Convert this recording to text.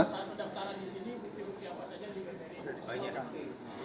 saat mendaftaran di sini bukti bukti apa saja